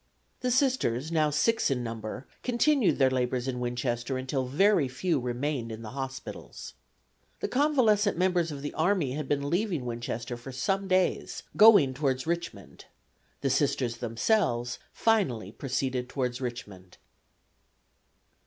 The Sisters, now six in number, continued their labors in Winchester until very few remained in the hospitals. The convalescent members of the army had been leaving Winchester for some days, going towards Richmond. The Sisters themselves finally proceeded towards Richmond.